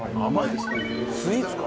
スイーツか？